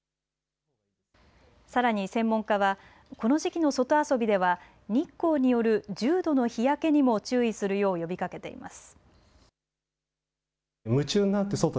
さらに専門家はこの時期の外遊びでは日光による重度の日焼けにも注意するよう呼びかけています。